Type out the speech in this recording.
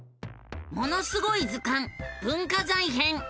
「ものすごい図鑑文化財編」！